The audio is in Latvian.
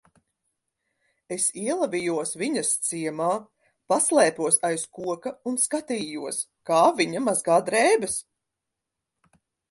Es ielavījos viņas ciemā, paslēpos aiz koka un skatījos, kā viņa mazgā drēbes.